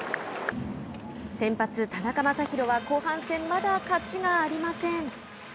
先発田中将大は後半戦、まだ勝ちがありません。